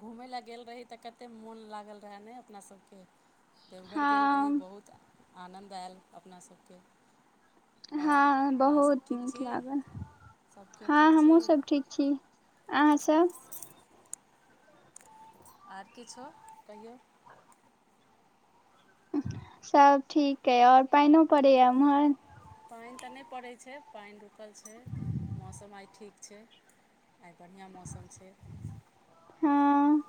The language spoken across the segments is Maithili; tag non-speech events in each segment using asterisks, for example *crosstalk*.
घूमय लए गेल रही तऽ कते मोन लागल रहए ने अपना सबके के देवघर गेल रही बहुत आनन्द आयल अपना सभके हँ बहुत नीक लागल हँ हमहूँसभ ठीक छी अहाँसभ आर किछो कहियौ सब ठीक है ओर पाईनो पड़ै य उम्हर पानि तऽ नहि पड़ै छै पानि रुकल छै मौसम आइ ठीक छै आइ बढ़िआँ मौसम छै हँ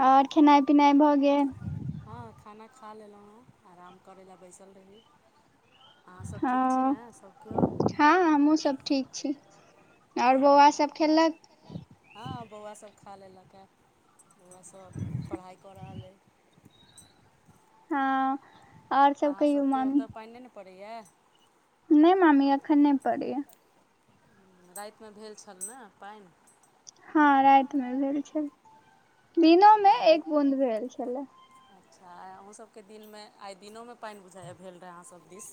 आओर खेनाइ पिनाइ भऽ गेल खा लेलहुँ हेँ आराम करै लए बैसल रही हँ हँ हमहूं सब ठीक छी आओर बौआ सब खेलक खा लेलक है बौआ सब पढ़ाइ कऽ रहल हँ आओर सब कहियौ मामी अबैयै नहि मामी अखन नहि पडैय यै रातिमे भेल छल ने पाइन हँ रातिमे भेल छल दिनो मे एक बूद भेल छलए अच्छा आइ अहूँसभके दिनमे आइ दिनोमे पानि बुझाइ यै भेल रहै अहाँसभ दिस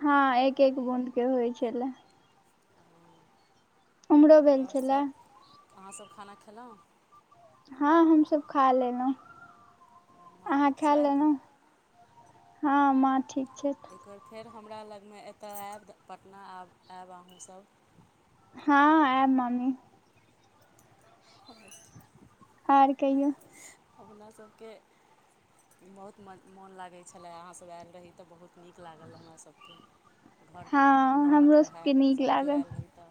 हँ एक एक बून्दके होइ छलै उम्हरो भेल छलए अहाँसभ खाना खयलौं हँ हमस खा लेलौं माँ ठीक छथि हँ माॅं ठीक एकबेर फेर हमरा लगमे एतय आयब पटना आब आयब अहूँसभ हँ एब मामी *inaudible* आओर कहियौ अपना सभके बहुत मन मोन लागैय छलै अहाँसभ आयल रही तऽ बहुत नीक लागल हमरा सभके घरमे रौनक रहय सभके आयल रहि तऽ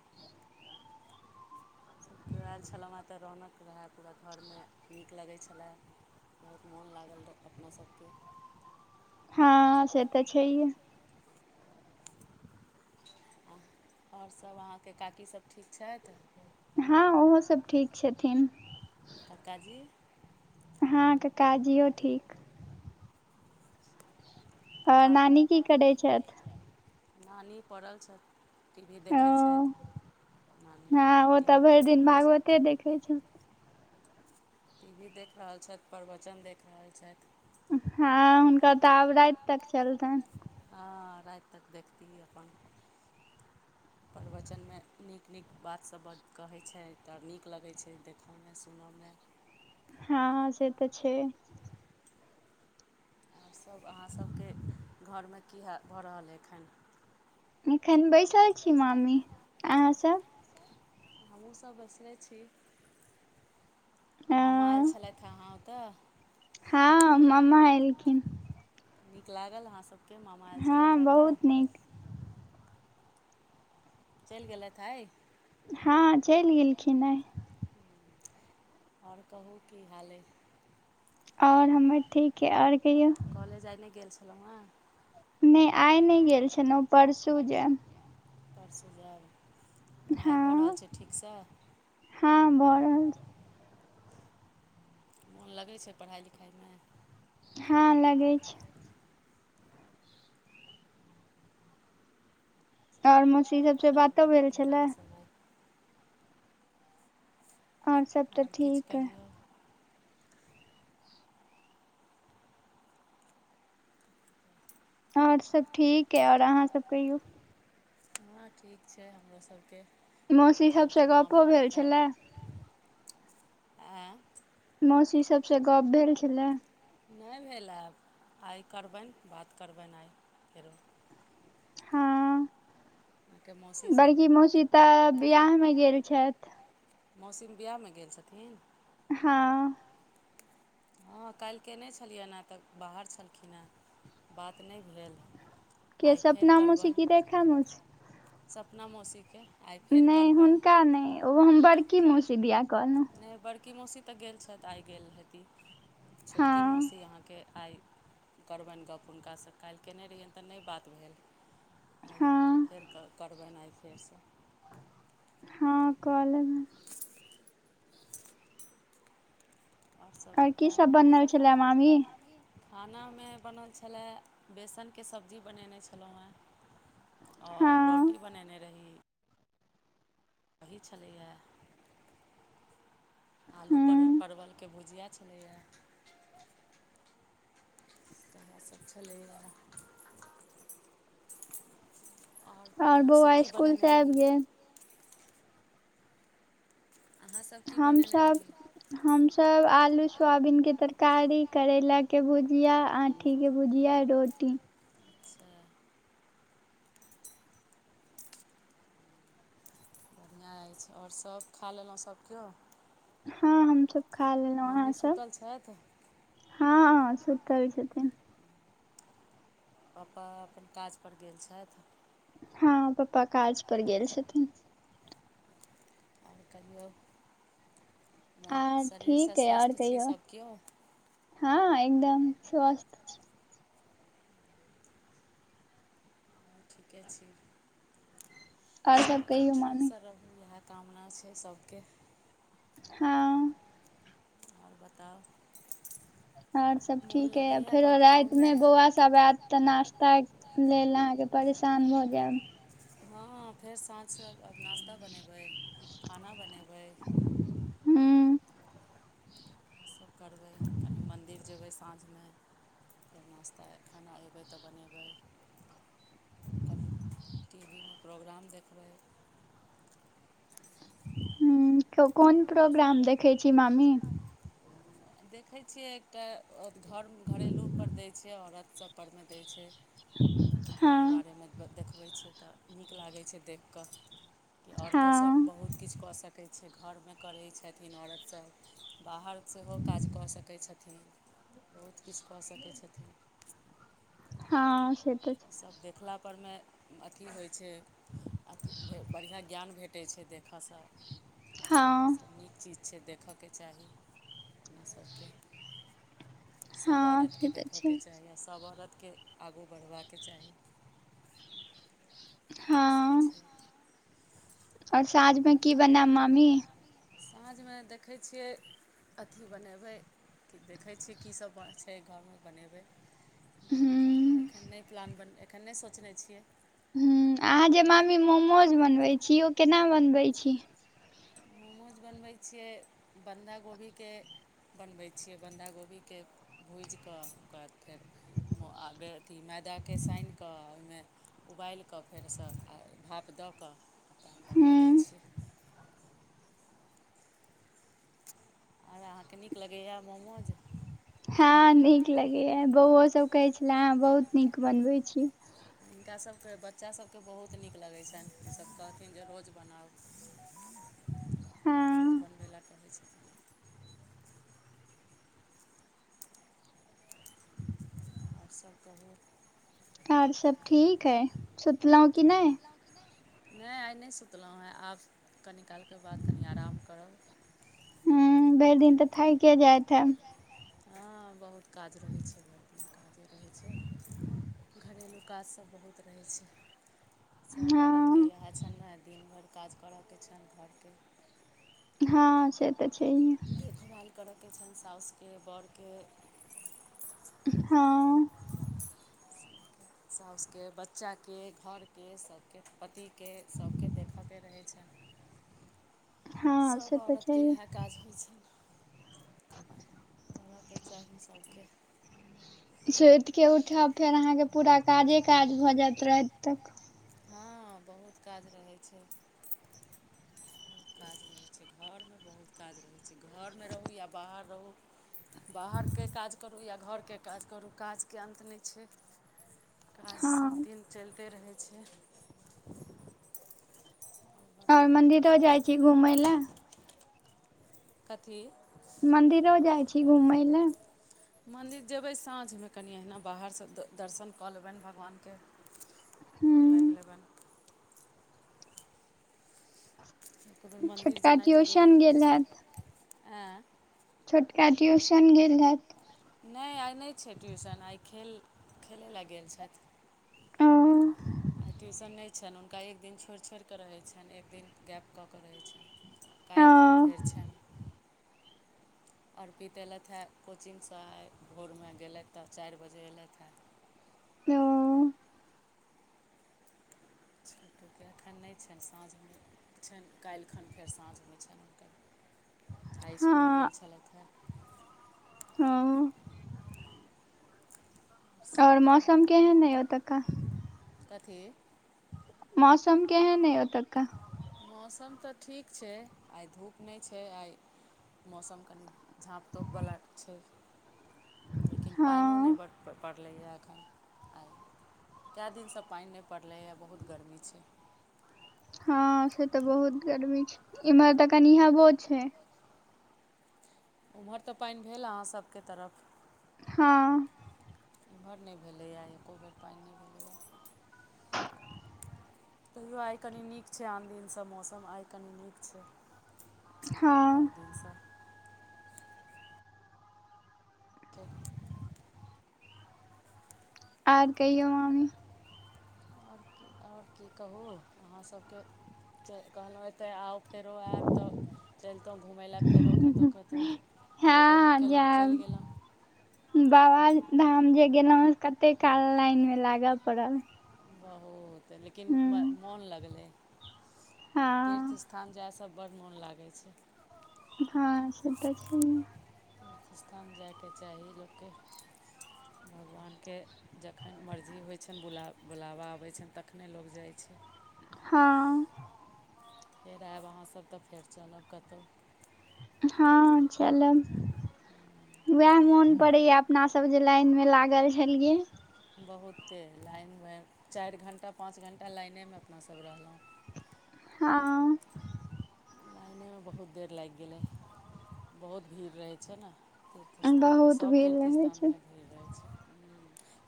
आयल छलहुँ हँ तऽ रौनक रहय पूरा घरमे नीक लगै छलै मोन लागल रहय अपना सभके हँ से तऽ छैेहे आओर सभ अहाँके काकीसभ ठीक छैथ हँ ओहो सभ ठीक छथिन ककाजी हँ ककाजियो ठीक आओर नानी की करै छैथ नानी पड़ल छैथ टीवी देखैत छथि हँ ओ तऽ भरि दिन भागवते देखैत छथि टी वी देख रहल छथि प्रवचन देख रहल छथि हँ हुनका तऽ आब राति तक चलतनि राति तक देखती अपन प्रवचनमे नीक नीक बात सब कहैत छै तऽ नीक लगै छै देखऽमे सुनऽमे *unintelligible* हँ से तऽ छै आओर सभ अहाँसभके घरमे की हाल भऽ रहलै एखन एखन बैसल छी मामी अहाँसभ हमहूँसभ बैसले छी मामा आयल छलैथ अहाँ ओतऽ मामा एलखिन नीक लागल अहाँ सब के हँ बहुत नीक चैल गेलैथ आय हँ चैल गेलखिन आय आओर कहू की हाल अइ आओर हमर ठीक अइ आओर कहियौ खेलौं हन नहि आइ न गेल छलौ परसू जेइब परसू जाइब हँ हँ भ रहल छै मोन लगै छै पढ़ाइ लिखाइमे हँ लगै छै आओर मौसी सबसे बातो भेल छलै आओर सब तऽ ठीक अय आओर सभ ठीक अइ आओर अहाँसभ कहियौ हँँ ठीक छै हमरो सबके मौसी सभसँ गप्पो भेल छलए मौसी सभसँ गप्प भेल छलै नहि भेला आइ करबनि बात करबनि आइ फेरो हां बड़की मौसी तऽ विहाह में गेल छैथ मौसी बियाह मे गेल छथिन हां हँ काल्हि केने छलियैन हँ तऽ बाहर छलखिन हँ बात नहि भेल के सपना मौसी की रेखा मौसी सपना मोसी के नहि हुनका नहि ओ हम बड़की मुोसी दिया कहलहुँ छोटकी मौसी तऽ गेल छथि आइ गेल हेती छोटकी मौसी अहाँके आइ करबनि गप्प हुनकासँ काल्हि कयने रहियनि तऽ नहि बात भेल आइ फेर करबैनि आइ फेरसँ हँ कअलेब आओर सब बताउ आऔर की सब बनबय छलियै मामी खानामे बनल छलय बेसनके सब्जी बनेने छलहुँ आओर रोटी बनेने रही दही छलै य आलु परवल के भु भुजिया छलैए इ इएहसभ छलै य आओर बौआ स्कुल से आबि गेल हमसब हमसब आलू सोयाबीन के तरकारी तर कारी करैलाके भुजिया आँठीके भुजिया रोटी बढ़िआँ अछि आओर सभ खा लेलहुँ सभकेओ हँ हमसब खा लेलहुं अहाँ सब हँ सूतल छथिन पापा अपन काजपर गेल छथि हँ पप्पा काज पर गेल छथिन कहियो आ ठीक अय आओर कहियौ हँ एकदम स्वस्थ ठीके छै आर सब कहियउ मामी कामना छै सबके हँ आओर बताउ आओर सब ठीक अय फेरो राति मे बौआ सब आयत तऽ नाश्ता लेल आहा अहाँके परेशान भऽ जायब हँ फेर साँझ सँ आब नाश्ता बनेबै खाना बनेबै ह्म इ करबै कनि मन्दिर जेबै साँझमे फेर नाश्ता खाना अयबै तऽ बनेयबै कनि टी वीमे प्रोग्राम देखबै ह कोन प्रोग्राम देखै छी मामी देखैत छियै एकटा घर घरेलू पर दै छै औरत सभ परमे दै छै ओही बारेमे देखबै छी छै तऽ नीक लागै छै देख कऽ कि औरतोसभ बहुत किछु कऽ सकै कहै छ घरमे करै छथिन औरत सभ बाहर सेहो काज कऽ सकै छथिन बहुत किछु कऽ सकै छथिन ई सभ देखला परर मे अथी होइत छै अ बढ़िआँ ज्ञान भेट टै छै देखऽसँ इसब नीक चीज छै देख देखयके चाही अपना सभके सभ औरतके देखऽके चाही आ सभ औरत के आगू बढ़बाक चाही हँ आओर साँझमे की बनाब मामी साँझमे देखै छियै अथि बनेबै कि देखै छियै कीसभ छै घरमे बनेबै देखि कऽ एखन नहि प्लान बन एखन नहि सोचने छियै ह अहाँ जे मामी मोमोज बनबैइ छी ओ केना बनबैइ छी मोमोज बनबै छियै बन्धा गोभीके बनबै छियै बन्धा गोभीकेँ भूजि कऽ ओकररा बाद फेर आ अथि मैदाके सानि कऽ ओहिमे उबालि कऽ फेरसँ भाप दऽ कऽ अपन बना दै छियै *unintelligible* आर अहाँकेँ नीक लगैए मोमोज हँ नीक लगैएा बौओसभ कहैत छले हेँ बहुत नीक बनबैत छी *unintelligible* हुनका सभके बच्चा सभके बहुत नीक लगै छनि ई सभ कहथिन जे रोज बनाउ भोज बनबै लए कहय छै आओर सभ कहू आर सब ठीक है सुतलहुँ कि नइ नहि आइ नहि सुतलहुँ हेँ आब कनि कालके बाद कनि आराम करब ह भइर दिन तऽ थाइके जाइत हैब हँ बहुत काज रहै छै भरि द काजे रहै छै घरेलू काजसभ बहुत रहैय छै सभ औरतके इएह छनि ने दिन भरि काज करयके छनि घरके हँ से तऽ छै देखभाल करयके छनि सासुके बड़के हँ साउस के बच्चा के घरके सभके पति के सभकेँ देखते रहै छन सभ औरतके इएह काज होइ छनि करऽके चाही सभके सुति कऽ उठब फेर अहाँके पूरा काजे काज भऽ जायत राति तक हँ बहुत काज रहय छै काज रहै छै घरमे बहुत काज रहै छै घरमे रहू या बाहर रहू बाहरके काज करू या घरके काज करू काजके अन्त नहि छै काज सभदिन चलिते रहै छिय आओर मंन्दिरो जाइ छी घूमय लए कथी मन्दिरो जाइ छी घूमय लअ मन्दिर जेबै साँझमे कनि अहिना बाहरसँ दर्शन कऽ लेबैन भगवान कऽ गोर लाइग लेबैन इधर मन्दिर जेनाइ जरूरी रहै छै आँय छोटका ट्यूशन गेल हैत खेल खेलै लए गेल छैथ आइ ट्यूशन नहि छनि हुनका एक दिन छोड़ि छोड़ि कऽ रहैत छनि एक दिन गैप कऽ कऽ रहैत छनि काल्हिखन फेर छनि अर्पित अयलथि हेँ कोचिंगसँ भोरमे गेलथि हऽ चाइर बजे एयलथि हँ *inaudible* ओ अछा ठीके अखन नहि छनि साँझ हो छनि काल्हि खन फेर साँझ होइ छनि आइ स्कूल गेल छलथि हेँ आ ऊ और मौसम केहन ये अतय क कथी मौसम केहेन ये ओतक का मौसम तऽ ठीक छै आइ धूप नै छै आइ मौसम कनि झाँप तोप बला छै लेकिन पाइनो नहि पड़ बलैए एखन आइ केय दिनसँ पैन नैह पड़लैए बहुत गर्मी छै हँ से तऽ बहुत गर्मी छैय एम्हर तऽ कनिहबो छैय ओम्हर तऽ पैन भेल अहाँ सभके तरफ हँ उमहर नइ भेलैए एक्को बेर पैन नइ भेलैए तैयओ आइ कनि नीक छै आन दिनसँ मौसम आइ कनि नीक छै ओर दिनस *unintelligible* ओर कहियौ मामी ओर की कहू अहाँसभके कहलहुँ एतऽ आउ फेरो आयब तऽ चलतहुँ घुमय लए फेरो कतहु कतहु तऽ अयबे नहि कयलहुँ चलि गेयलहुँ बाबा धाम जे गे कते काल लाइनमे लागऽ पड़ल बहुत लेकिन मोन लगलै तीर्थ स्थान जाइसँ सब बड मोन लागै छै हँ से तऽ छै न तीर्थ स्थान जाइके चाही लोककेँ भगवानके जखन मर्जी होइ छनि बुला बुलाबा आबै छनि तखनहि लोक जाइ छनि *inaudible* हँ फेर आयब अहाँसभ तऽ फेर चलब कतहु हँ चलब उएह मोन पड़ैएा अपनासभ जे लाइन मे लागल छलियै बहुते लाइन भरि चारि घण्टा पाँच घण्टा लाइनेमे अपनासभ रहलहुँ लाइनेमे बहुत देर लागि गेलै बहुत भीड़ रहै छै न तीर्थ स्थानमे सब तीर्थ स्थानमे भीड़ रहै छै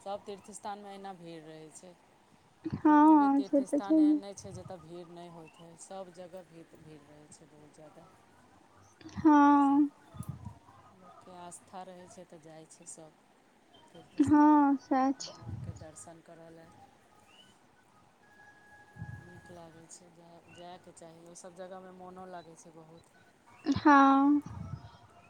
सब तीर्थ स्थानमे एना भीड़ रहै छै कोनो भी तीर्थ स्थान एहन नइ छै जतय भीड़ नइ होइत हइ सभ जगह भीड़ एतऽ भीड़ रहै छै बहुत जादा हँ लोकके आस्था रहै छै तऽ जाइ छै सभ हँ सैह छै करऽ लए नीक लागै छै जाय जायके चाही ओसभ जगहमे मोनो लागैत छै बहुत हँ